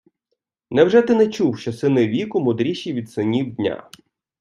Невже ти не чув, що сини віку мудріші від синів дня?